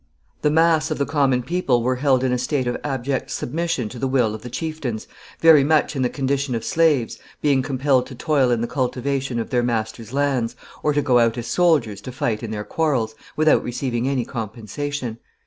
[Sidenote: Retainers of the nobles.] The mass of the common people were held in a state of abject submission to the will of the chieftains, very much in the condition of slaves, being compelled to toil in the cultivation of their masters' lands, or to go out as soldiers to fight in their quarrels, without receiving any compensation.